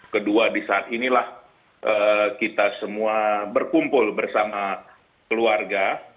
kedua di saat inilah kita semua berkumpul bersama keluarga